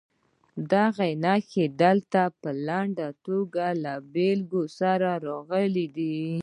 دغه نښې دلته په لنډه توګه له بېلګو سره راغلي دي.